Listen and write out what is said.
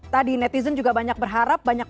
tadi netizen juga banyak berharap banyak